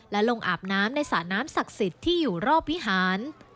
และลงอาบน้ำในสระน้ำศักดิ์สิทธิ์ที่อยู่รอบวิหาร